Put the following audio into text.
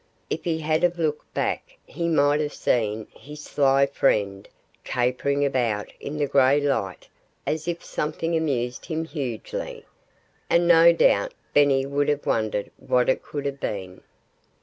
If he had looked back he might have seen his sly friend capering about in the gray light as if something amused him hugely. And no doubt Benny would have wondered what it could have been.